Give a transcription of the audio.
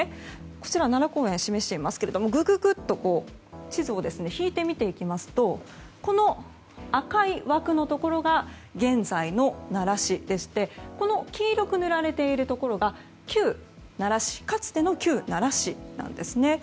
こちら奈良公園を示していますがぐぐぐっと地図を引いて見ていきますとこの赤い枠のところが現在の奈良市でしてこの黄色く塗られているところがかつての奈良市なんですね。